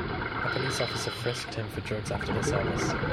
A police officer frisked him for drugs after the service.